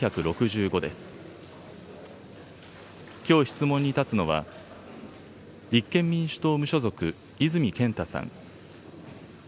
きょう質問に立つのは、立憲民主党・無所属、泉健太さん。